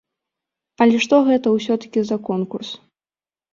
Але што гэта ўсё-такі за конкурс?